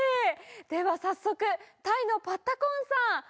では早速、タイのパッタコーンさん。